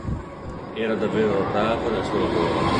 Era davvero bravo nel suo lavoro.